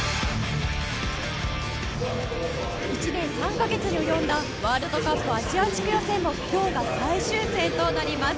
１年３か月に及んだワールドカップアジア地区予選も今日が最終戦となります。